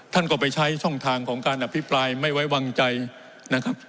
ท่านก็ไปใช้ช่องทางของการอภิปรายไม่ไว้วางใจนะครับ